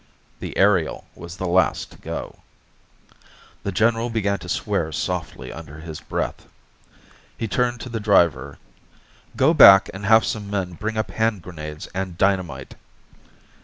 The aerial was the last to go. The general began to swear softly under his breath. He turned to the driver. "Go back and have some men bring up hand grenades and dynamite."